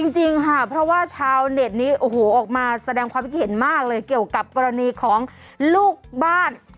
จริงค่ะเพราะว่าชาวเน็ตนี้โอ้โหออกมาแสดงความคิดเห็นมากเลยเกี่ยวกับกรณีของลูกบ้าน